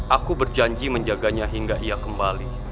aku berjanji menjaganya hingga ia kembali